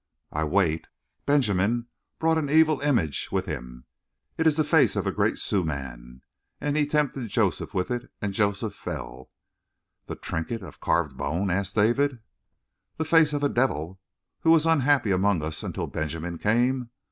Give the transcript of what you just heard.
"I wait." "Benjamin brought an evil image with him. It is the face of a great suhman, and he tempted Joseph with it, and Joseph fell." "The trinket of carved bone?" asked David. "The face of a devil! Who was unhappy among us until Benjamin came?